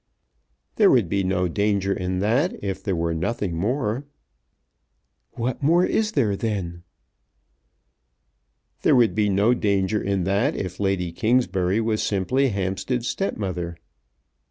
"There would be no danger in that if there were nothing more." "What more is there then?" "There would be no danger in that if Lady Kingsbury was simply Hampstead's stepmother."